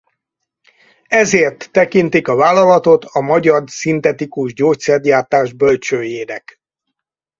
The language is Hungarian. Ezért tekintik a vállalatot a magyar szintetikus gyógyszergyártás bölcsőjének.